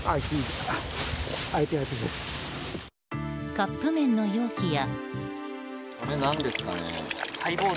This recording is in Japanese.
カップ麺の容器や。